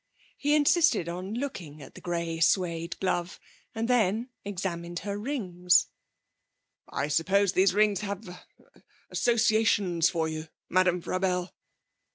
He insisted on looking at the grey suède glove, and then examined her rings. 'I suppose these rings have er associations for you, Madame Frabelle?'